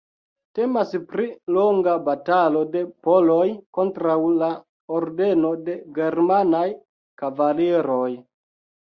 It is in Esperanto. Temas pri longa batalo de poloj kontraŭ la Ordeno de germanaj kavaliroj.